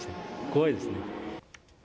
怖いですね。